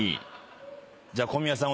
じゃあ小宮さん